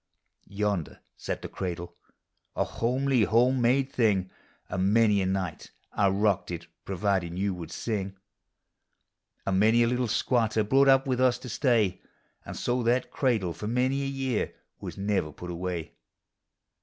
Yonder sat the cradle — a homely, home made thing, — And many a night I rocked it, providin' you would sing; 2T2 POEMS Of HOME. And many a little squatter brought ip with us to stay,— And so that cradle, for many a year, was never put away.